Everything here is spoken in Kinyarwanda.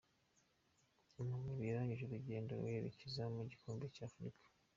Amavubi yarangije urugendo rwerekeza mu gikombe cya Afurika